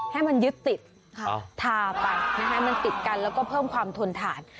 อ๋อให้มันยึดติดค่ะอ้าวทาไปนะฮะให้มันติดกันแล้วก็เพิ่มความทนฐาน